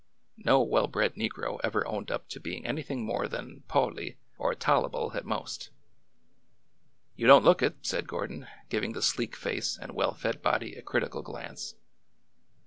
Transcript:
No well bred negro ever owned up to being anything more than '' po'ly," or tole'ble " at most. You don't look it," said Gordon, giving the sleek face and well fed body a critical glance.